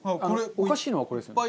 おかしいのはこれですよね。